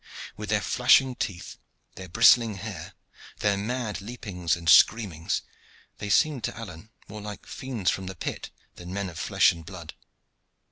With their flashing teeth, their bristling hair, their mad leapings and screamings, they seemed to Alleyne more like fiends from the pit than men of flesh and blood.